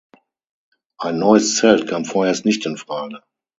Ein neues Zelt kam vorerst nicht in Frage.